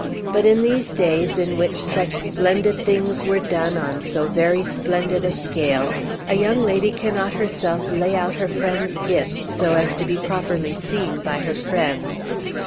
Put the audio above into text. But in these days, in which such splendid things were done on so very splendid a scale, a young lady cannot herself lay out her friends' gifts so as to be properly seen by her friends.